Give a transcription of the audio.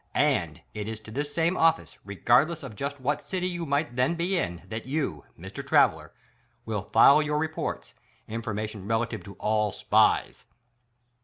And it is to this same office, regardless of jus't what city you might then be in, that you, Mr. Traveler, will file your re ports, information relative to all SPIES.